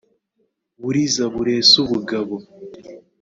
buriza burese ubugabo